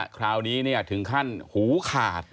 คราวนี้ถึงขั้นหูขาด